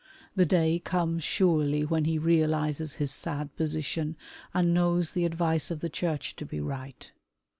The day comes surely when he realizes his sad position, and knows the advice of the Church to be right.